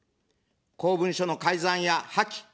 公文書の改ざんや破棄。